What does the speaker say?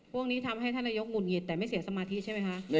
พวกนี้ทำให้ท่านนายกหงุดหงิดแต่ไม่เสียสมาธิใช่ไหมคะ